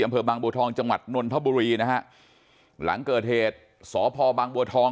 อำเภอบางบัวทองจังหวัดนนทบุรีนะฮะหลังเกิดเหตุสพบางบัวทอง